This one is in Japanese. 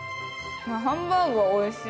ハンバーグがおいしい！